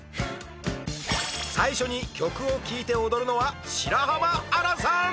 最初に曲を聴いて踊るのは白濱亜嵐さん